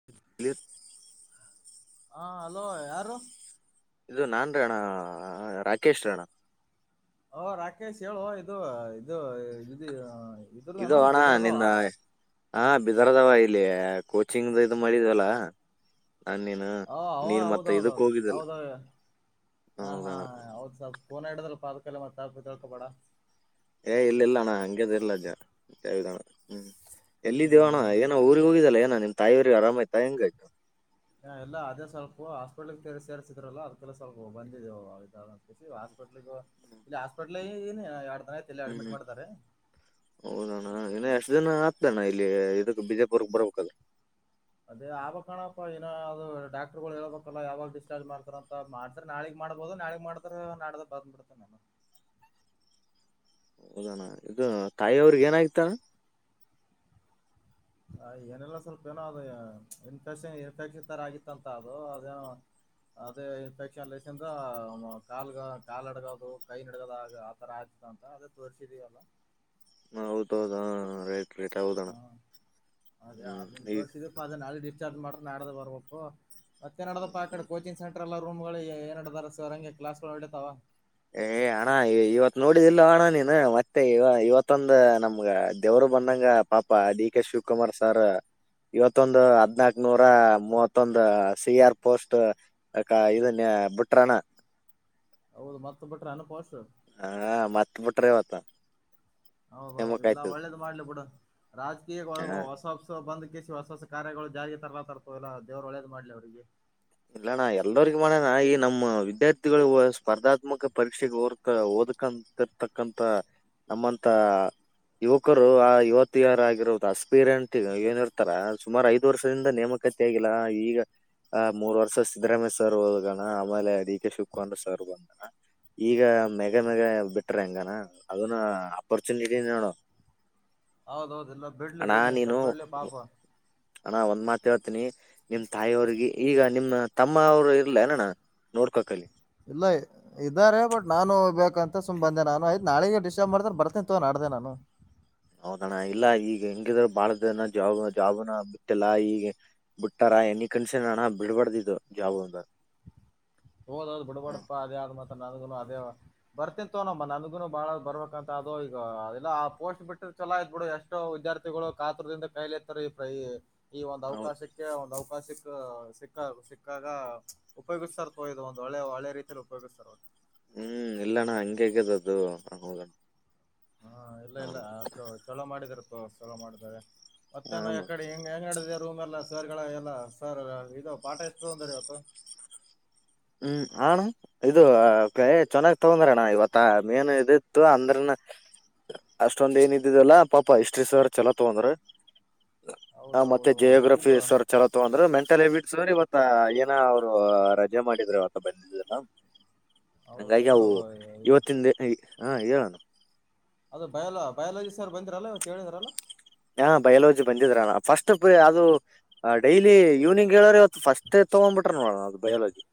[inaudible] ಹಾ ಹಲೋ ಯಾರು. ಇದು ನಾನ್ರಿ ಅಣ್ಣ ಆ ರಾಕೇಶ್ ರೀ ಅಣ್ಣ. ಓ ರಾಕೇಶ್ ಹೇಳೋ ಇದು ಇದು ಇದು ಇದು ಇದ್ರದನ ಅಣ್ಣ ಬೀದರ್ದವ. ನಿನ್ನ ಹಾ ಬಿದರ್ದವ ಇಲ್ಲಿ ಕೋಚಿಂಗ್ದ ಇದು ಮಾಡಿದಲ. ಹಣ್ಣಿನ ಹಾ ಅವ ಹೌದೌದೌದ್ ಹೌದೌದ್ ಹಾ ಹಾ ಹೌದಣ್ಣ ಹೌದ್ ಸಾಬ್. ಫೋನ ಹಿಡದಿಲ್ಲಪ ಅದ್ಕೆಲ್ಲ ಮತ್ ತಪ್ ತಿಳ್ಕೊಬೇಡ. ಏ ಇಲ್ಲ ಇಲ್ಲ ಅಣ್ಣ ಹಂಗೆನ್ ಇಲ್ಲ ಜ ಹೌದಣ ಹ್ಮ ಎಲ್ಲಿದೋಣ ಹ್ಮ್ ಏನ ಊರಿಗ ಹೋಗಿದ್ದಲ್ಲ ಏನ್ ನಿಮ್ ತಾಯಿ ಊರಿಗ ಆರಾಮ ಆಯ್ತಾ ಹ್ಯಾಂಗ್ ಆಯ್ತು. ಎಲ್ಲ ಅದೇ ಸ್ವಲ್ಪೂ ಹಾಸ್ಪಿಟಲ್ಕ ಸೇರ್ಸ್ ಸೇರ್ಸಿದ್ರಲ ಅದ್ಕೆಲೇ ಸ್ವಲ್ಪ ಬಂದಿದೇವು ಇದಾದಂತ್. [unintelligible] ಹಾಸ್ಪಿಟಲಗೊ ಇಲ್ಲಿ ಹಾಸ್ಪಿಟಲಗೆ ಇನಿ ಎರಡ್ ದಿನ ಆಯ್ತ ಇಲ್ಲೇ ಅಡ್ಮಿಟ್ ಮಾಡಿದಾರೆ. ಹೌದಣ ಇನ ಎಷ್ಟ್ ದಿನ ಆತ್ತದಣ ಇಲ್ಲಿ ಇದಕ್ ಬಿಜಾಪುರಕ್ ಬರಬೇಕಾದ್ರ. ಅದೇ ಆಗಬೇಕಣ ಪ ಇನ ಅದು ಡಾಕ್ಟರ್ಗೋಳ್ ಹೇಳಬೇಕಲಾ ಯಾವಾಗ ಡಿಸ್ಚಾರ್ಜ್ ಮಾಡ್ತಾರಂತ ಅವ್ರ್ ಮಾಡ್ ಅ್ರ ನಾಳಗ್ ಮಾಡಬೋದು ನಾಳಗ್ ಮಾಡ್ರೆ ನಾದ ಬಂದ್ಬಿಡ್ತೆ ನಾನು ಹೌದೋಣ ಇದು ತಾಯಿಯ ಅವ್ರಿಗೆ ಏನಾಗಿತಾರ ಹ ಏನೆಲ್ಲ ಸ್ವಲ್ಪ ಏನೋ ಅದು ಇನ್ಫೆಕ್ಷನ್ ಇನ್ಫೆಕ್ಷನ್ ತರ ಆಗಿತ್ತ ಅಂತ ಅದು ಅದೇನೋ ಅದೇ ಇನ್ಫೆಕ್ಷನ್ ಲಸಿಂದ ಕಾಲ್ ಕಾಲ್ ಅಡಗೋದು ಕೈ ಅಡಗದ ಆಗ ತರ ಆಗ್ತ ಅಂತ ಅದೇ ತೋರಿಸಿದೀವಲ್ಲ ಹ ಹೌದ ಹೌದ ರೈಟ್ ರೇಟ್ ಹೌದಣ್ಣ ಹ್ಮ ಹ್ಮ್ ಈ ಅದ ನಳೆ ಡಿಸ್ಚಾರ್ಜ್ ಮಾಡ್ರ ನಾಡದ ಬರ್ಬೇಕು ಮತ್ತೆ ನಡದಪ್ಪ ಆ ಕಡೆ ಕೋಚಿಂಗ್ ಸೆಂಟರ್ ಎಲ್ಲ ರೂಮ್ ಗಳು ಏಡತಾರ ಸರ್ ಹಂಗೆ ಕ್ಲಾಸ್ಗಳು ಹೊಡಿತಾವ ಏ್ ಅಣ ಇವತ್ ನೋಡಿದಿಲ್ಲ ಅಣ್ಣ ನೀನು ಮತ್ತೆ ಇವತ್ತೊಂದ ನಮ್ಗ ದೇವರು ಬಂದಂಗ ಪಾಪಾ ಡಿ ಕೆ ಶಿವಕುಮಾರ್ ಸಾರ್ ಇವತ್ತೊಂದು ಹದ್ನಾಕ್ ನೂರ ಮೂವತ್ತೊಂದು ಸಿ ಆರ್ ಪೋಸ್ಟ್ ಅಕ್ಕ ಇದನ್ಯ ಬುಟ್ರಣ ಹೌದು ಮತ್ತ ಬಿಟ್ರೆ ಅನುಪಾಶ ಹಾ ಮತ್ತ ಬಿಟ್ರೆವತ್ತ ಹೌದೌದು ಇಲ್ಲ ಒಳ್ಳೇದು ಮಾಡ್ಲಿ ಬಿಡ ರಾಜಕೀಯ ಹಾ ಹೊಸ ಬಂದ್ ಕಿಸಿಿ ಹೊಸ ಹೊಸ ಕಾರ್ಯಗಳು ಜಾರಿಗೆ ತರಲಾ ತರ್ತವಲ್ಲ ದವ್ರು ಒಳ್ಳೇದ ಮಾಡ್ಲಿ ಅವ್ರರಿಗೆ ಇಲ್ಲಣ್ಣ ಎಲ್ಲರಿಗ ಮಾಡಣ ಈ ನಮ್ಮ ವಿದ್ಯಾರ್ಥಿಗಳು ಸ್ಪರ್ಧಾತ್ಮಕ ಪರೀಕ್ಷೆಗೆ ಓದಕಂತ ಇರ್ತಕ್ಕಂತ ನಮ್ಮಂತ ಯುವಕರು ಆ ಯುವತಿಯರಾಗಿಿರೋದು ಅಸ್ಪೀರಿಂ ಏನಿರ್ತಾರ ಸುಮಾರು ಐದು ವರ್ಷದಿಂದ ನೇಮಕ [unintelligible] ಆಗಿಲ್ಲಾ ಈಗ ಆ ಮೂರ್ ವರ್ಷ ಸಿದ್ದರಾಮಯ್ಯ ಸರ್ ಹೋದಗಣ ಆಮೇಲೆ ಡಿ ಕೆ ಶಿವಕುಮಂದ್ರ ಸರ್ ಬಂದಣ ಈಗ ಮೆಾಗ ಮ್ಯಾಗ ಬಿಟ್ರ ಹಂಗಾನ ಅದನ್ನ ಅಪರ್ಚುನಿಟಿ ನೋಡು [inaudible] ಹೌದೌದು ಇಲ್ಲ ಬಿಡ್ಲಿ ಬಿಡ್ಲಿ ಎಂತಾರೆ ಬೆಡ್ಲಿ ಪಾಪ ಅಣ ಒಂದ್ ಮಾತ್ ಹೇಳ್ತನಿ ನಿಮ್ ತಾಯಿಯವ್ರಿಗೆ ಈಗ ನಿಮ್ಮ ತಮ್ಮ ಅವರು ಇರ್ಲ ಅನಣ್ಣ ನೋಡ್ಕೋಕಲಿ ಇಲ್ಲ ಇದಾರೆ ಬಟ್ ನಾನು ಹೋಗ್ಬೇಕುಂತ ಸು್ ಬಂದೆಾನುಯ್ ನಾಳ ಡಿಸರ್ಬ್ ಮಾಡ್ದ ಬರ್ತೀಿಂತ ನಡ್ದೆ ನಾನು ಹೌದಣ್ಣ ಇಲ್ಲ ಈಗ ಹೆಂಗಿದ್ರ ಬಾಳ್ದನ ಜಾಬ್ ಜಾಬ್ನ ಬಿಟ್ಟಲ್ಲ ಈಗ ಬಿಟ್ಟಾರ ಎನಿ ಕನ್ಷನ್ ನಾನ ಬಿಡ್ಬಾರ್ದಿದ್ದು ಜಾಬ್ ಒಂದ ಹೋದಾದದು ಬುಡಬಡಪ್ಪ ಅದೇ ಆಗಮ ತನ್ನದುಗನ ಅದೇವ ಬರ್ತಿನ್ಂತವ ನಮ್ಮ ನನ್ಗುನು ಬಾಳ ಬರ್ಬೇಕಂತ ಅದುೋ ಈಗ ಅದೆಲ್ಲ ಆ ಪೋಸ್ಟ್ ಬಿಟ್ಟ ಚಲೋ ಆಯ್ತ್ ಬಿಡು ಎಷ್ಟೋ ವಿದ್ಯಾರ್ಥಿಗಳು ಕಾತ್ರದಿಂದ ಕೈಲಿತ್ತಾರೆ ಈ ಈ ಒಂದ್ ಹ್ಮ್ ಅವಕಾಶಕ್ಕೆ ಒಂದ್ ಅವಕಾಶಕ್ಕ ಸಿಕ್ಕ ಸಿಕ್ಕಾಗ ಉಪಯೋಗಿಸ್ತೋ ಇದು ಒಳ್ಳೆ ಒಳ್ಳ ರೀತಿಯಲ್ಲಿ ಉಪಯೋಗಿಸ್ತಾರೆ ಹೂ ಇಲ್ಲಣ್ಣ ಹಂಗೆ ಹಗ್ಯದ ಅ್ದದು ಹ ಹೌದಣ ಹಾ ಇಲ್ಲ ಇಲ್ಲ ಚ ಚಲೋ ಮಾಡಿದರ್ ತೋ ಚಲೋ ಮಾಡಿದ ಮತ್ತೇನೋ ಹಾ ಯಕಡೆ ಹೆಂಗ ಹೆಂಗ ನಡಿದ ರೂಮ್ ಎಲ್ಲ ಸರ್ಗಳ ಎಲ್ಲ ಸರ್ ಇೋ ಪಾಠ ಎಷ್ಟು ತೊಂದ್ರ ಇವತ್ತು ಹ್ಮ್ ಅಣ್ಣ ಇದು ಹೇ ಚೆನ್ನಾಗ್ ತಗೊಂಡ್ರಣ್ಣ ಇವತ್ತು ಮೇನು ಇದಿತ್ತು ಅಂದ್ರನ ಅಷ್ಟೊಂದ ಏನ್ ಇದಿದಲ್ಲಾ ಪಾಪ ಇಷ್ಟ್ರಿ ಸರ್ ಚಲೋ ತಗಂದ್ರರಾ ಹೌದ ಹ ಮತ್ತೆ ಹೌದು ಜಿಯೋಗ್ರಫಿ ಇದು ಸರ್ ಚಲೋತ್ ಅಂದ್ರೆ ಮೆಂಟಲ್ ಹ್ಯಾಬಿಟ್ಸ್ ಇವತ್ತ ಏನ ಅವರು ಜೆ ಮಾಡಿದ್ರೆ ಆತ ಬಂದಿದ್ದ ಹೌದಾ ಹಂಗಾಗಿ ಇದು ಅವು ಇವತ್ತಿನ ಹಾ ಹೇಳಣ ಅದು ಬಯಾಲ ಬಯಾಲಜಿ ಸರ್ ಬಂದಿರಲ್ಲ ಇವತ್ತ್ ಹೇಳಿದ್ರಲ್ಲ. ಹಾ ಬಯಲಜಿ ಬಂದಿದ್ರಣ ಫಸ್ಟ್ ಪೆ ಅದು ಆ ಡೈಲಿ ಈವ್ನಿಂಗ್ ಹೇಳರೆ ಇವತ್ತು ಫಸ್ಟೆ ತಗೊಂಬಿಟ್ರ್ ನೋಡಣ ಅದು ಬಯೋಲಜಿ.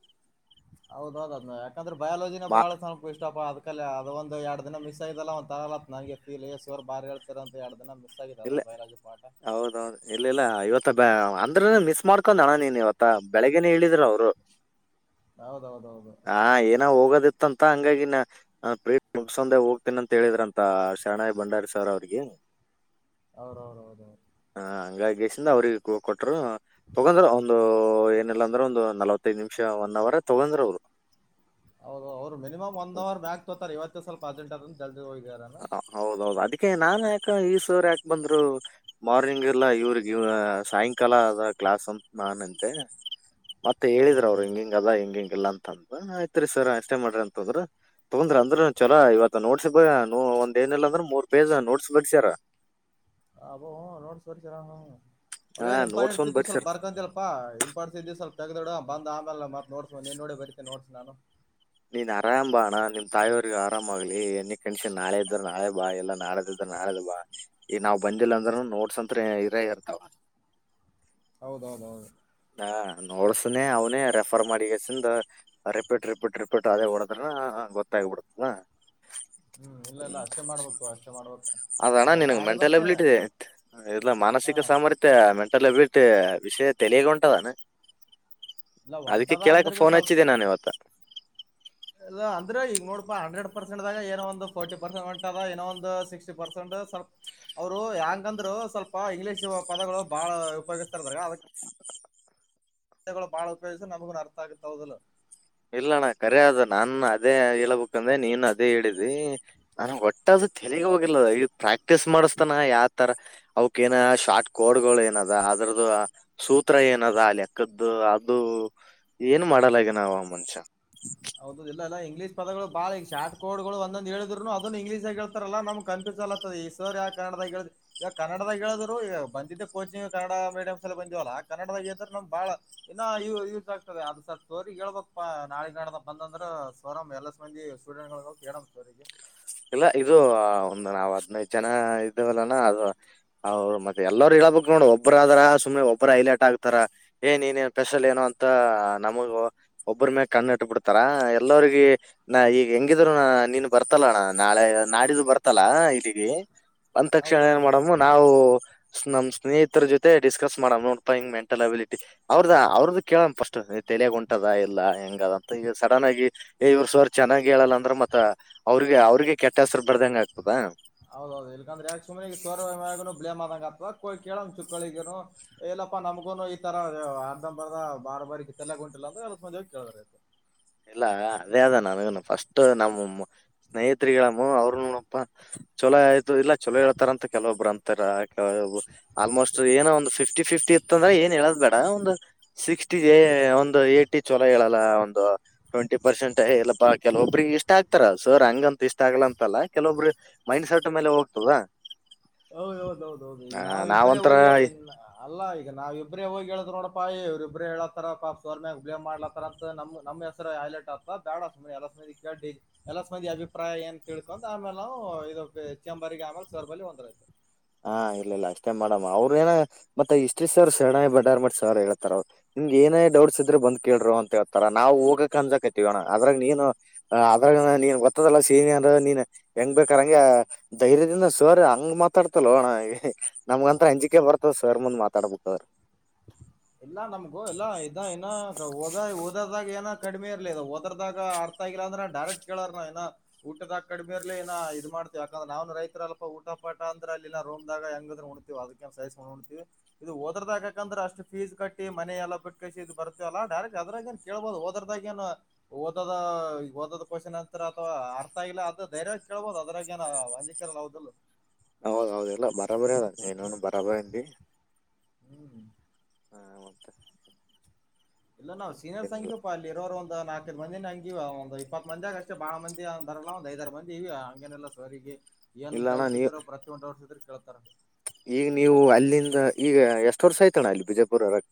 ಹೌದೌದ್ ಅದ್ನ ಯಾಕಂದ್ರೆ ಬಯಾಲಜಿನ ಮಾ ಬಾಳ ಸ ಫುಲ್ ಸ್ಟಾಪ ಅದ್ಕಲ್ಲಿ ಅದು ಒಂದು ಎರಡು ದಿನ ಮಿಸ್ ಆಗಿದಲ್ಲ [unintelligible] ಬಾರಿ ಹೇಳ್ತಾರ್ ಅಂತ ಎರಡು ದಿನನು ಇಲ್ಲ ಹೌದೌದು ಇಲ್ಲ ಇಲ್ಲ ಇವತ್ತ ಬ ಅಂದ್ರ ಮಿಸ್ ಮಾಡ್ಕೊಂಡ ಅಣ ನೀನ್ ಇವತ್ತ ಬೆಳಗ್ಗೆ ಅನ ಹೇಳಿದ್ರ ಅವ್ರು [inaudible] ಹೌದ ಹೌದ ಹೌದು ಹಾ ಏನ ಹೋಗೋದಿತ್ತ ಅಂತ ಹಂಗಾಗಿನ ಹಾ ಪ್ರೀಡ ಮುಗಸ್ಕಂದ ಹೋಗತನಿ ಅಂತ ಹೇಳಿದ್ರಂತ ಶರಣಾಯಿ ಬಂಡಾರಿ ಸಾರ್ ಅವ್ರಿಗೆ ಅವ್ರ ಅವ್ರ ಹೌದೌರ ಹ ಹಂಗಾಗೇಶಿಂದ ಅವ್ರಿಗೆ ಇ.. ಕೊಟ್ಟರು ತೂಗೊಂಡ್ರ ಒಂದು ಏನಿಲ್ಲ ಅಂದ್ರ ಒಂದು ನಾಲವತ್ತೈದು ನಿಮಿಷ ಒನ್ ಅವರ್ ತೊಗಂದ್ರ ಅವ್ರು ಹೌದು ಅವರ ಮಿನಿಮಮ್ ಒಂದ್ ಅವರ್ ಮ್ಯಾಗ ತೂಗೋತಾರ ಇವತ್ತೇ ಸ್ವಲ್ಪ ಅಜೆಂಟ್ ಆದ್ರ ಜಲ್ದಿ ಹೋಗಿದಾರ ಅನ ಹೌದ ಹೌದು ಅದಕ್ಕೆ ನಾನ ಯಾಕ ಈ ಸರ ಯಾಕ ಬಂದ್ರು ಮಾರ್ನಿಂಗ್ ಇಲ್ಲ ಇವ್ರಿಗೆ ಸಾಯಂಕಾಲ ಅದ ಕ್ಲಾಸ್ ಅಂತ ನಾನ ಅಂದೆ ಮತ್ತೆ ಹೇಳಿದ್ರರು ಹೌದೌದು ಅವ್ರು ಹಿಂಗ ಹಿಂಗ ಆದ ಹಿಂಗಿಗ ಇಲ್ಲ ಅಂತ ಹ ಆಯ್ತ್ರಿ ಸರ್ ಅಷ್ಟೇ ಮಾಡ್ರಿ ಅಂತ ಅಂದ್ರು ತೊಂದ್ರ ಅಂದ್ರ ಚಲೋ ಇವತ್ತು ನೋಡ್ಸ ನ ಒಂದ ಏನಿಲ್ಲ ಅಂದ್ರ ಮೂರ್ ಪೇಜ್ ನೋಟ್ಸ್ ಬರಸ್ಯಾರ್ ಅ ಅಬೋ ನೋಟ್ಸ್ ಬರೀತನ ಹಾ ಅವೇಏನ್ ನೋಟ್ಸ್ ಇಂಪಾರಂಟೆಂಟ್ ಒಂದ್ ಇದ್ದು ಬರಿ ಸ್ವಲ್ಪ ಸರ್ ಬರ್ಕೊತನ್ ಏ ಇಂಪೋಟೆನ್ಸ್ ಇದ್ದಿದ್ದ ಸ್ವಲ್ಪ ತಗದ ಇಡು ಬಂದ ಆಮೇಲೆತ್ ನೋಟ್ಸ್ ನೀನ್ ನೋಡಿನ ಬರಿತೇನೆ ನೋಟ್ಸ್ ನಾನು ನೀನ್ ಆರಾಮ ಬಾ ನಿಮ್ಮ ತಾಯಿಯವ್ರಿಗೆ ಆರಾಮ ಆಗ್ಲಿ ಏನೀ ಕಂಡೀಷನ ನಾಳ ಇದ್ದರು ನಾಳೆ ಬಾ ಇಲ್ಲಾ ನಾಳೆ ಇದ ಅ ಅಲ್ವಾ ಈಗ ನಾವ್ ಬಂದಿಲ್ಲ ಅಂದ್ರೂ ನೋಟ್ಸ್ ಅಂತ್ರಿ ಇದ್ದ ಇರ್ತಾವ ಹೌದೌ ಹೌದ ದೌದು ಹಾ ನೋಡ್ಸನೆ ಅವನೇ ರೆಫರ್ ಮಾಡಿ ಹೆಸನ್ [unintelligible] ರಿಪೀಟ್ ರಿಪೀಟ್ ರಿಪೀಟ್ ಅದೇ ಹೊಡದ್ರನಾ ಗೊತ್ತಾಗಬಿಡ್ತನಾ ಹ್ಮ್ ಇಲ್ಲ ಇಲ್ಲ ಅಷ್ಟೇ ಮಾಡ್ಬೇಕು ಅಷ್ಟೇ ಮಾಡ್ಬೇಕು ಅದಣ್ಣ ಆ, ನಿನಗ್ ನಾಳೆ ಮೆಂಟಲ್ ಬರ್ತೇನೆ ಅಬಿಲಿಟಿ ಇದೆ ಇಲ್ಲ ಹಾ ಮಾನಸಿಕ ಸಾಮರ್ಥ್ಯ ಮ ಮೆಂಟಲ್ ಏಬಿಲಿಟಿ ವಿಷಯ ತೇಲಿಗ ಹೊಂಟದ ಏನ ಇಲ್ಲ ಅದಕ್ಕೆ ಹೊಂಟದ ಕೇಳಕ ಅಂದ್ರೆ ಬಿ ಫೋನ್ ಸ್ವಲ್ಪ ಹಚ್ಚಿದೆ ನಾನ ಇವತ್ತ ಇಲ್ಲ ಅಂದ್ರ ಈಗ ನೋಡಪಾ ಹಂಡ್ರೆಡ್ ಪರಷಟ್ ದಾಗ ಏನೋ ಒಂದ ಪೊರ್ಟಿ ಪರಷಟ್ ಅದ ಏನೋ ಒಂದ ಸಿಕ್ಸ್ಟಿಪರಷಟ್ ಸ್ ಅವ್ರು ಹೆಂಗಂದ್ರು ಸ್ವಲ್ಪ ಇಂಗ್ಲಿಷ ಪದಗಳು ಬಾಳ ಉಪಯೋಗಿಸ್ತಾರ ಅದಕ್ಕ ಗಳು ಬಾಳ ಉಪಯೋಗಿಸಿರ ನಮಗುಣು ಅರ್ಥ ಆಗುತೇತಿ ಹೌದ ಇಲೊ ಇಲ್ಲಣ್ಣ ಕರೆ ಅದ ನಾನ ಅದೇ ಹೇಳೇಬೇಕಂದ್ರೆ ನೀನ ಅದೇ ಹೇಳಿದಿ ನನಗ ವಟ್ಟ ಅದು ತೆಲಿಗೆ ಹೋಗಿಲ್ಲ ಈಗ ಪ್ರಾಕ್ಟೀಸ್ ಮಾಡಿಸ್ತಾನ ಯಾತರಾ ಅವಕ ಏನ ಶಾರ್ಟ್ ಕೋಡ್ಗಳು ಏನದ ಅದ್ರದೂ ಸೂತ್ರ ಆ ಹೌದು ಇಲ್ಲ ಇಲ್ಲ ಇಂಗ್ಲಿಷ್ ಪದಗಳು ಬಾಳ ಈಗ ಶಾರ್ ಕೋಡ್ ಗಳು ಒಂದ ಒಂದ ಹೇಳಿದ್ರು ಅದನ್ನ ಇಂಗ್ಲೀಷಗ ಹೇಳತಾರಲ್ಲ ನಮಗ ಕನ್ಫೂಸನ್ ಈವ ಯ [unintelligible] ಕಾರಣದ ಹೇಳ ಈವಾಗ ಕನ್ನಡದಾಗ ಹೇಳಿದ್ರು ಈಗ ಬಂದಿದ್ದ ಕೋಚಿಂಗ್ ಕನ್ನಡ ಮೀಡಿಯಮ್ಸ್ ಅಎಲ್ಲಾ ಬಂದಿವಲ್ಲ ಆ ಕನ್ನಡದಾಗ ಹೇಳದ್ರ ನೋಡ್ ಬಾಳ ಇನ್ನ ಯೂಸ್ ಆಗ್ತದೆ ಅದು ಸರ್ ಸೋರಿ ಹೇಳ್ಬಬೇಕ ನಾಳೆ ನಾಡಿದ್ದು ಬಂದಂದ್ರೆ ಸ್ವರಮ್ ಎಲ್ಲ ಸಂದಿ ಸ್ಟೂಡೆಂಟ್ ಹೇಳಡಮ್ ಸೋರಿಗೆ [unintelligible] ಇಲ್ಲ ಇದು ಒಂದು ನಾವ್ ಹದಿನೈದು ಜನ ಇದ್ದೇವಲ್ಲಾನ ಅದು ಹೌದು ಮತ್ತೆ ಎಲ್ಲರು ಹೇಳ್ಬೇಕು ನೋಡ ಒಬ್ಬ್ರ ಆದ್ರ ಸುಮ್ಮನೆ ಒಬ್ಬರು ಹೈಲೈಟ್ ಆಗ್ತಾರ ಏನ್ ನೀನ್ ಸ್ಪೆಷಲ್ ಏನು ಅಂತ ನಮಗ ಒಬ್ಬ್ರ ಮೇಲ್ ಕಣ್ಣಿಟ್ಟು ಬಿಡ್ತಾರ ಎಲ್ಲರಿಗ ನಾ ಈಗ ಹೆಂಗಿದ್ರು ನೀನ್ ಬರ್ತಲ್ಲ ಅಣ್ಣ ನಾಳೆ ನಾಡಿದು ಬರ್ತಲ್ಲ ಇಲ್ಲಿಗೆ ಬಂದ ತಕ್ಷಣ ಏನ್ ಹೌದೌದು ಮಾಡಮ್ಮ ನಾವು ನಮ್ ಸ್ನೇಹಿತರ ಜೊತೆ ಡಿಸ್ಕಸ್ ಮಾಡ್ ನೋಡ್ತಾ ಹಿಂಗ್ ಮೆಂಟಲ್ ಅಬಿಲಿಟಿ ಅವ್ರದ ಅವ್ರದ ಕೇಳದ ಫಸ್ಟ್ ತಲೆಗೆ ಉಂಟದ ಇಲ್ಲ ಹೆಂಗದ ಈ ಸಡನ್ ಆಗಿ ಇವರು ಸರ್ ಚೆನ್ನಾಗಿ ಹೇಳಲ್ಲ ಅಂದ್ರೆ ಮತ್ತ ಅವ್ರಿಗೆ ಅವ ಅವರಿಗೆ ಕೆಟ್ಟ ಹೆಸರು ಬರ್ದ ಹೆಂಗ ಆಗ್ತದಾ ಹೌದೌದು ಇಲ್ಕಂದ್ರೆ ಯಕಕ್ುನೆ ಸೋರ್್ಯ ಬ್ಲೇಮ್ ಆದಂಗ ಆತ್ವ ಕೇಳಂ್ ಚುಕ್ಕಳಿಗನು [unintelligible] ಇಲ್ಲಪ್ಪಾ ನಮ್ಗೂನು ಈ ತರ ಅರ್ಧಂಬರ್ದ ಬಾರ ಬಾರಿ ತಲೆಗ ಹೊಂಟ್ಟಿಲ್ಲ ಅಂದ್ರ ಎಲ್ಲಂದೋಗ ಕೇಳಿಬೇಕು ಇಲ್ಲ ಅದೇ ಅದ ನನಗನು ಫಸ್ಟ್ ನಮ್ಮ ಸ್ನೇಹತ್ರಿಗಳಮ್ಮ ಅವ್ರನಪ್ಪ ಚೊಲೋ ಆಯ್ತು ಇಲ್ಲ ಚಲೋ ಹೇಳ್ತಾರಂತ ಕೆಲವೊಬ್ಬರು ಅಂತಾರ ಕೆ ಆಲ್ಮೋಸ್ಟ್ ಏನ ಒಂದು ಫಿಫ್ಟಿ ಫಿಫ್ಟಿ ಇತ್ತ ಅಂದ್ರೆ ಏನ್ ಹೇಳದ್ ಬೇಡ ಒಂದು ಸಿಕ್ಸ್ಟಿಗೆ ಒಂದು ಎಟಿ ಚಲೋ ಹೇಳಲ್ಲ ಒಂದು ಟ್ವೆಂಟಿ ಪರ್ಸೆಂಟ್ ಇಲ್ಲಪ್ಪಾ ಕೆಲವೊಬ್ಬ್ರಿಗೆ ಇಷ್ಟ ಆಗ್ತಾರ ಸರ್ ಹಂಗಂತ ಇಷ್ಟ ಆಗಿಲ್ಲ ಅಂತಲ್ಲ ಕೆಲೊಬ್ರು ಮೈಂಡ್ ಸೆಟ್ ಮೇಲೆ ಹೋಗ್ತದ ಹೌದೌದೌದೌದು ಈಗ್ ಆ, ನಾವು ಇಬ್ಬರೇ ಹೋಗ್ಯ ನಾವಂತರ ಇನ್ನ ಅಲ್ಲ ಈಗ ನಾವ್ ಇಬ್ರೇ ಹೋಗಿ ಹೇಳಿದ್ರ್ ನೋಡಪ್ಪಾ ಇವ್ರಿಬ್ರೆ ಹೇಳಲತ್ತಾರ್ ಪಾಪ್ ಸರ್ ಮ್ಯಾಗ್ ಬ್ಲೇಮ್ ಮಾಡ್ಲತ್ತಾರ ನಮ ನಮ್ಮ ಹೆಸರ ಹೈ ಲೈಟ್ ಅತ್ ಪ ಬ್ಯಾಡ ಸುಮನೆ ಎಲ್ಲ [unintelligible] ಎಲ್ಲಸ್ ಮಂದಿ ಅಭಿಪ್ರಾಯ ಏನ್ ತಿಳ್ಕೊಂಡ್ ಆಮೇಲೆ ನಾವು ಇದು ಚೇಂಬರ್ಗ ಆಮೇಲ್ ಸರ್ ಬಲ್ಲಿ ಬಂದ್ರಾಯ್ತ್. ಹಾ ಇಲ್ಲ ಇಲ್ಲ ಅಷ್ಟೇನ್ ಮಾಡಮ್ಮ್ ಅವ್ರೇನು ಮತ್ತ ಹಿಷ್ಟ್ರೀ ಸರ್ ಸಡನ್ ಬಡಾರ್ ಮಾಡಿ ಸರ್ ಹೇಳ್ತಾರ ಅವರು. ನಿಮ್ಗ್ ಏನೇ ಡೌಟ್ಸ್ ಇದ್ರು ಬಂದ್ ಕೇಳ್ರೋ ಅಂತ ಹೇಳ್ತಾರ ನಾ ಹೋಗಕ್ ಅನ್ಜಕತಿವಣ ಅದ್ರಾಗ ನೀನು ಅದ್ರ ನೀನ್ ಗೊತ್ತದಲ್ಲಾ ಸೀನಿ ಅಂದ ನೀನ್ ಹೆಂಗ್ ಬೇಕಾರಂಗೆ ಧೈರ್ಯದಿಂದ ಸರ್ ಹಂಗ ಮತ್ತ ಮಾತಾಡ್ತಲ್ಲ ಹಣ ನಮ್ಗಂತ ಅಂಜಿಕೆ ಬರ್ತದ ಸರ್ ಮುಂದ್ ಮಾತಾಡ್ಬೇಕ ಅವ್ರರು ಹ ಇಲ್ಲ ನಮ್ಗೂ ಇಲ್ಲ ಇದ ಇನ್ನಓದ ಓದದಾಗ ಏನ ಕಡಿಮೆ ಇರ್ಲಿಿಲ್ಲ ಓದ್ರದಾಗ ಆ ಅರ್ಥ ಆಗಲ್ಲ ಅಂದ್ರೆ ಡಾಕಟ್ ಕೇಳಾರ ಏನಾ. ಊಟದಾಗ ಕಡಿಮೆರ್ಲಿ ನ ಇ ಇದ ಮಾಡ್ತಿವ ಯಾಕಂದ್ರೆ ನಾವ ನ ರೈತರಲ್ಪ ಊಟ ಪಾಟ ಅಂದ್ರ ಅಲ್ಲಿ ನ ರೋಮ್ ನಾಗ ಹೆಂಗ್ರ ಹೆಂಗಿದ್ರೂ ಉಣ್ [unintelligible] ಇದು ಓದ್ರದಾಗ. ಯಾಕಂದ್ರೆ ಅಷ್ಟು ಫೀಸ್ ಕಟ್ಟಿ ಮನೆ ಎಲ್ಲ ಬಿಟ್ಕಸಿದ ಬರ್ತೀವಲ್ಲ ಡೈರೆಕ್ಟ್ ಅದ್ರಾಗ ಏನ್ ಕೇಳಬೋದು ಹೋದಾದ್ರಾಗೇನು. ಓದದ ಓದದು ಕ್ವಶನ್ ಅನ್ಸರ್ ಅಥವಾ ಅರ್ಥ ಆಗಿಲ್ಲ ಅದು ಧೈರ್ಯ ಕೇಳಬಹುದು ಅದ್ರಾಗ ಏನ್ ಅಲ್ಲಿ. ಹೌದಲ್ಲ ಹೌದ್ಹಹೌದ ಇಲ್ಲ ಬರಬರಿ ಅದ ನೀಏನನು ಬರಾಬರಿ ಊ ಹ್ಮ್ ಹಾ ಮತ್ತೆ ಇಲ್ಲ ನಾವು ಸೀನಿಯರ್ ಏನಿಲ್ಲ ಸಂಖ್ಯ ಅಲ್ಲಿ ಇರೋರು ಒಂದು ನಾಲ್ಕೈದು ಮಂದಿ ಹಂಗಿವವ ಒಂದು ಇಪ್ಪತ್ ಮಂದಿಾಗ ಅಷ್ಟೇ ಬಾಳ ಮಂದಿ ಅಂದಾರಲ್ಲ ಒ್ ಐದಾರರ ಮಂದಿ ಇ್ಯ ಹಂಗನೆಲ್ಲ ಸರಿಗೆ ಏನ್ ಇಲ್ಲ ಅಣ್ಣ ಡೌಟ್ಸ್ ನೀವ್ ಇದ್ದಾರೋ ಪ್ರತಿಯೊಂದು ಡೌಟ್ಸ್ ಇದ್ರೆ ಕೇಳ್ತಾರ ಈಗ ನೀವು ಅಲ್ಲಿಂದ ಈಗ ಎಷ್ಟ್ ವರ್ಷ ಆಯ್ತಣ್ಣ ಅಲ್ಲಿ ಬಿಜಯಪುರ ಒಳಗೆ.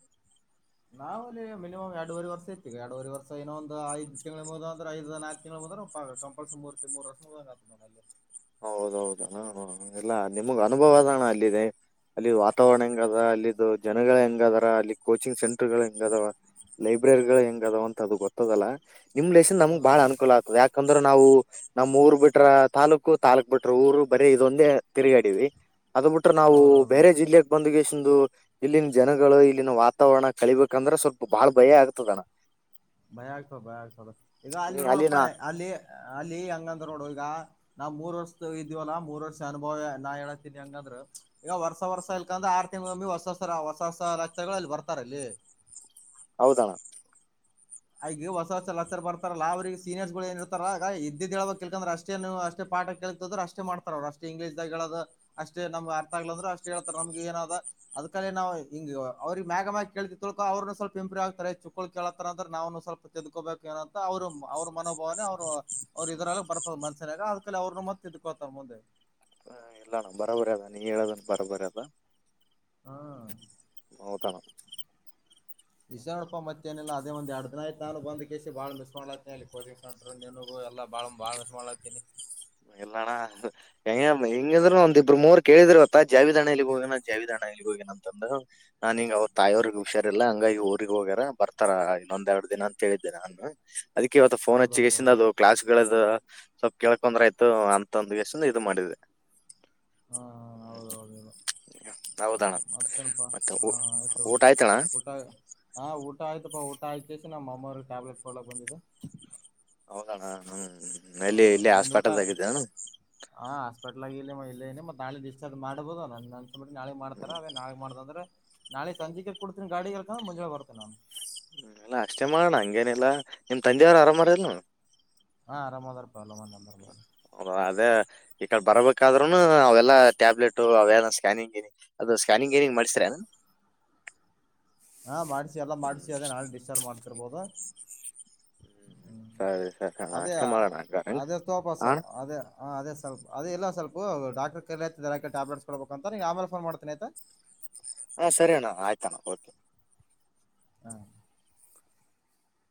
ನಾವಲ್ಲಿ ಮಿನಿಮಮ್ ಎರಡುವರೆ ವರ್ಷ ಇರ್ತವಿ ಎರಡವರೆ ವರ್ಷ ಇನ್ನೊಂದು ಐದ್ ತಿಂಗಳ ಮುಗ್ಧವ ಬಂದ್ರೆ ಐದ್ ನಾಕ ತಿಂಗಳು ಮುಂದ್ರ್ ಹ ಕಂಪಲ್ಸ ಮೂರ್ತ್ತ ಮೂರುರ್ಷ ಮುದ್ದಂಗ್ ಆಗ್ತೈತೆ ನೋಡು ಅಲ್ಲಿ. ಹೌದೌದು ಹ ಎಲ್ಲಾ ನಿಮಗ್ ಅನುಭವ ಹ್ಮ್ ಅದಣ ಅಲ್ಲಿದೆ. ಅಲ್ಲಿದು ವಾತಾವರಣ ಹೆಂಗದ ಅಲ್ಲಿದು ಜನಗಳ ಹೆಂಗ ಅದಾರ ಅಲ್ಲಿ. ಕೋಚಿಂಗ್ ಸೆಂಟರ್ ಗಳು ಹೆಂಗದಾವ ಲೈಬ್ರರಿ ಗಳು ಹೆಂಗ ಅದಾವ ಅಂತ ಅದು ಗೊತ್ತ ದಲ್ಲ ನಿಮ್ ಲನ್ ನಮ್ಗ್ ಹ್ಮ್ ಬಾಳ ಅನುಕೂಲ ಆಗ್ತದೆ ಯಾಕಂದ್ರೆ ನಾವು ನಮ್ಮ ಊರ್ ಬಿಟ್ರ ತಾಲೂಕ ತಾಲೂಕ್ ಬಿಟರು ಊರು ಬರೇ ಇದೊಂದೇ ತಿರುಗಾಡಿ ಇವಿ ಅದು ಬಿಟ್ರೆ ನಾವು ಹೌದೌದು ಬೇರೆ ಜಿಲ್ಲೆ ಬಂದುಗೆಸಂದು ಇಲ್ಲಿನ್ ಜನಗಳು ಇಲ್ಲಿನ ವಾತಾವರಣ ಕಳಬೇಕಂದ್ರೆ ಸ್ವಲ್ಪ ಬಾಳ್ ಭಯ ಆಗ್ತದನ ಭಯ ಆಗ್ತದೆ ಭಯ ಆಗ್ತದೆ ಈಗ ಅಲ್ಲಿ ಹ್ಮ್ ನೋಡಪ್ಪ ಅಲ್ಲಿನ ಅಲ್ಲಿ ಅಲ್ಲಿ ಹಂಗಂದ ನೋಡು ಈಗ ನಾವ್ ಮೂರ್ ವರ್ಷದ ಇದ್ಯವಲ್ಲಾ ಮೂರ್ ವರ್ಷ ಅನುಭವ ನಾ ಹೇಳತೀನಿ ಹಂಗಂದ್ರ ಈಗ ವರ್ಸ ವರ್ಷ ಇಲ್ಕಂದ್ರೆ ಆರು ತಿಂಗ್ಗಳಮ್ಮ ಹೊಸ ಹೊಸ ಹೊಸ ಹೊಸ ಲತಗಳಲ್ಲಿ ಬರ್ತಾರ ಅಲ್ಲಿ ಹೌದಣ್ಣ ಆಗ ಹೊಸ ಹೊಸ ಅ ಲೆಕ್ಚರ್ ಬರ್ತಾರಲ್ಲ ಅವ್ರರಿಗೆ ಸೀನಿಯರ್ಸ್ ಏ ಇರ್ತಾರ ಅಗ ಇದ್ದಿದ್ದ್ ಹೇಳಳ್ಬೇಕಕ್ ಕಲ್ಕಂದ್ರೆಷ್ಟ ಅಷ್ಟೇ ಪಾಠ ಕೇಳ್ತದ ಅಷ್ಟೇ ಮಾಡ್ತಾರ ಅವರುಷ್ಟ ಇಂಗ್ಲೀಷದಾಗ ಹೇಳದು ಅಷ್ಟೇ ನಮ್ ಅಥಗ್ಲದ್ರರು ಅಷ್ಟ್ ಹೇಳ್ತಾರ ನಮ್ಗ್ ಏನಾದ ಅದಕಡಲೆ ನಾವು ಹಿಂಗ್ ಅವ್ರರಿಗೆ ಮಾಗ್ಯಾಗ ಕೇಳತಿದ ತಿಳ್ಕ ಅವ್ರರುನು ಸ್ವಲ್ಪ ಇಂಪ್ರೂ ಆಗ್ತಾರೆ. ಚಕ್ಕಳ್ ಕೇಳತಾರಂತ, ಆದ್ರೇ ನಾನು ಸ್ವಲ್ಪ ತೆದ್ಕೋಬೇಕು ಏನಂತ ಅವ್ರರು ಅವ್ರ ಮನೋಭಾವನೆ ಅವ್ರು. ಅವ್ರರು ಇದ್ರಾಗ ಬರ್ತದ ಮನ್ಸನ್ನಾಗ ಅದಕಲ್ಲಿ ಅವ್ರರುನು ಮತ್ತೆ ತಿ ದ್ಕೋಳ್ತಾರ ಮುಂದೆ ಹಾ ಇಲ್ಲ ಅಣ್ಣ ಬರಬರಿ ಆದ ನಿ ಹೇಳೋದ್ನ ಬರಬರಿ ಆದ. ಹ್ಮ್ ಹೌದಣ, ಇಷ್ಟೇ ನೋಡಪ್ಪ ಮತ್ತೇನಿಲ್ಲ ಅದೇ ಒಂದ ಎರಡು ದಿನ್ ಆಯ್ತಾ ನಾನು ಬಂದಕೆಸಿ ಬಾಳ ಮಿಸ್ ಮಾಡಲಾತನ ಕೋಿಂಗ್ ಸಂಟರ್ [unintelligible] ಇಲ್ಲಣ. ಎಂಗ್ನ್ ಹೆಂಗಿದ್ರರು ಒಂದಿಬ್ರು ಮೂರ್ ಕೇಳಿದ್ರು ಇವತ್ತ ಜಾವಿದಣ್ಣ ಎಲಿಗ್ ಹೋಗ್ಯಾನ್ ಜಾವಿದಣ್ಣ ಎಲ್ಲಿಗಿ ಹೋಗ್ಯಾನ್ ಅಂತಂದ. ನಾನ್ ಇಂಗ್ ಅವ್ರ ತಾಯಿಯವ್ರಗ್ ಹುಷಾರಿಲ್ಲಾ ಹಂಗಾಗಿ ಈ ಊರಿಗೆ ಹೋಗ್ಯಾರ ಬರ್ತಾರ ಇನ್ನೊಂದೆರಡು ದಿನ ಅಂತ ಹೇಳಿದ್ದೆ ನಾನ್. ಅದಕ್ಕೆ ಇವತ್ತು ಫೋನ್ ಹಚ್ಚಿಗೇಸಿದ್ ಹೌದೌದೌದು ಅದು ಕ್ಲಾಸ್ಮೇಕೇಳಿದ್ದ ಸ್ವಲ್ಪ ಕೇಳಕೊಂದ್ರ ಆಯ್ತ್, ಅಂತ ಗೆಸಿಂದ್ ಇದು ಮಾಡಿದೆ ಹ್ಮ, ಹ ಮತ್ತೇನಪಾ ಮತ್ತೆ ಹ ಊ- ಆಯ್ತು ಊಟ ಆಯ್ತಣ್ಣ ಊಟ, ಹಾಂ ಊಟ ಆಯ್ತಪ್ಪ ಊಟ ಆಗ್ ಕೇಸಿ ನಮ್ಮಮವ್ರ ಟ್ಯಾಬ್ಲೆಟ್ಡ ಕೊಡಲ್ಕ ಬಂದಿದ್ದಿದೆ. ಹೌದಣ್ಣ ಹ್ಮ್ ಹಾ ಎಲ್ಲಿ ಇಲ್ಲಿ ನಿಂದ್ ಊಟ ಹಾಸ್ಪೆಟಲ್ದ್ಗ ಇದ್ದೆಣ್ಣ. ಹಾ ಹಾಸ್ಪಿಟ್ಲ್ ಇಲ್ಲಿ ಇಲ್ಲೆ ಇನಿ ಮತ್ತ ನಾಳೆಡಿಸ್ಚಾರ್ಜ್ ಮಾಡಬುದುಲ್ ನನ್ಗಗ್ ಅನ್ಸಮಟ್ಟಿಗಿ ನಾಳಿಗಿ ಮಾಡ್ತಾರ ಹ್ಮ್. ಅದೇ ನಾಳಗ್ ಮಾಡ್ದಂದ್ರ. ನಾಳೆ ಸಂಜಿಕ್ಕೆ ಕುಡ್ತಿನಿ ಗಾಡಿಗಿ ಇಲ್ಲ ಕಂದ್ರ ಮುಂಜೆಲೆ ಬರ್ತೀನಿ ನಾನು. ಇಲ್ಲ ಅಷ್ಟೇ ಮಾಡ್ನಾ ಹಂಗೇನಿಲ್ಲಾ ನಿಮ್ ತಂದಿವ್ರು ಅರಾಮರಿಲ್ಲಾ. ಹಾ ಆರಂದ್ರಪ್ಪ [unintelligible] ಅದೇ ಈ ಕಡೆ ಬರಬೇಕಾದ್ರುನು ಅವೆಲ್ಲಾ ಟ್ಯಾಬ್ಲೆಟ್ ಅವೇನ ಸ್ಕ್ಯಾನಿಂಗ ಗಿನಿ ಅದು ಸ್ಕ್ಯಾನಿಂಗ ಗಿನಿಂಗ್ ಮಾಡ್ಸರಿರೆನ್. ಹಾ ಮಾಡಿಸಿವಿ ಎಲ್ಲ ಹ್ಮ್ ಮಾಡಿಸಿವಿ ಅದೇ ನಾಳಿ ಡಿಸ್ಚಾರ್ಜ್ ಮಾಡ್ತಿರ್ಬೋದು. ಹ್ಮ್ ಸರಿ ಸರಿ ಅಣ್ಣ ಅದೇ ಅಷ್ಟೇ ಮಾಡೋಣ ಹಂಗ ಹಂಗ ಅದೇ ತೋಪ ಹಾ ಸರ್ ಅಣ್ಣ. ಅದೇ. ಹಾಂ ಅದೇ ಸ್ವಲ್ಪ್ ಅದೇ ಇಲ್ಲ ಸ್ವಲ್ಪ್ ಡಾಕ್ಟರ್ ಕರೆಲ್ತಿದ್ರು ಇಕಡಿ ಟ್ಯಾಬ್ಲೆಟ್ಸ್ ಕೊಡ್ಬೇಕ ಅಂತ ನಿಂಗ್ ಆಮೇಲ ಫೋನ್ ಮಾಡ್ತಿನಿ ಆಯ್ತ್. ಹಾ ಸರಿ ಅಣ್ಣ ಆಯ್ತಣ ಓಕೆ. ಹ್ಮ್.